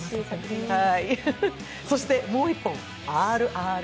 そしてもう１本、「ＲＲＲ」。